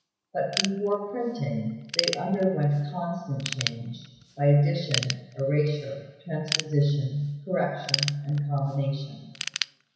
But before printing, they underwent constant change, by addition, erasure, transposition, correction, and combination.